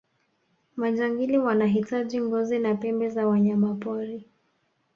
majangili wanahitaji ngozi na pembe za wanyamapori